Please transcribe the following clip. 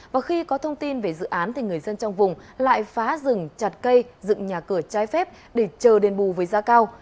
và khi có thông tin về dự án thì người dân trong vùng lại phá rừng chặt cây dựng nhà cửa trái phép để chờ đền bù với giá cao